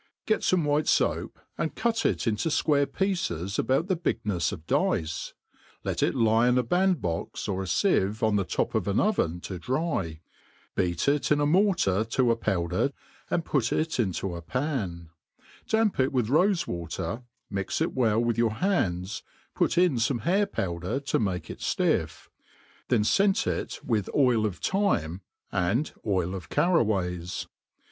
GET fome white foap, and cut it into fquare pieces about the bignefs of dice ; let it lie in a band box or a fieve on the top of an oven to dry ; beat it in a mortar to a powder, and put it into a' pan ; damp it with rofe water, mix it well with your hands, put in fome hair powder to make it ilifF; thea (gait it'wicb of oijl'tbyme, and oil of carraways« '/' 400 RECEIPTS FOk PERFUMERY, &c.